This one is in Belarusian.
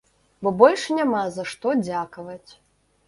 Бо больш няма за што дзякаваць.